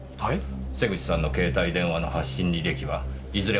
瀬口さんの携帯電話の発信履歴はいずれも深夜でした。